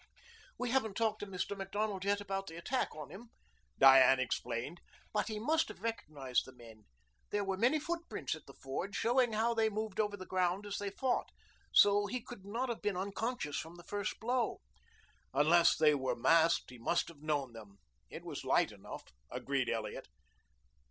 "We haven't talked to Mr. Macdonald yet about the attack on him," Diane explained. "But he must have recognized the men. There are many footprints at the ford, showing how they moved over the ground as they fought. So he could not have been unconscious from the first blow." "Unless they were masked he must have known them. It was light enough," agreed Elliot.